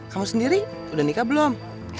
kamu sendiri udah nikah belum